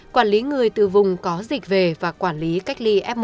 quản lý người từ vùng có dịch về và quản lý cách ly f một